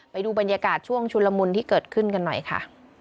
ไปดูบรรยากาศช่วงชุลมุนที่เกิดขึ้นกันหน่อยค่ะ